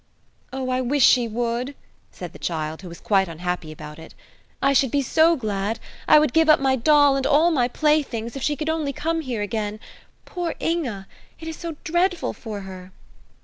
"Oh, I wish she would!" said the child, who was quite unhappy about it. "I should be so glad. I would give up my doll and all my playthings, if she could only come here again. Poor Inge! it is so dreadful for her."